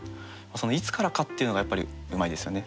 「いつからか」っていうのがやっぱりうまいですよね。